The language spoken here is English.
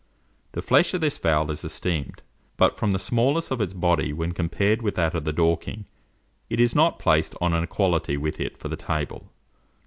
The flesh of this fowl is esteemed; but, from the smallness of its body when compared with that of the Dorking, it is not placed on an equality with it for the table.